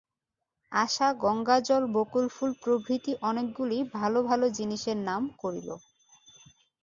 আশা গঙ্গাজল বকুলফুল প্রভৃতি অনেকগুলি ভালো ভালো জিনিসের নাম করিল।